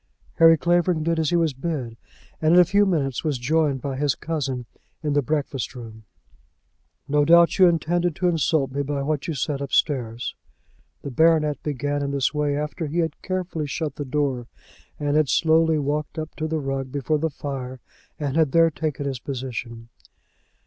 Harry Clavering did as he was bid, and in a few minutes was joined by his cousin in the breakfast room. "No doubt you intended to insult me by what you said upstairs." The baronet began in this way after he had carefully shut the door, and had slowly walked up to the rug before the fire, and had there taken his position.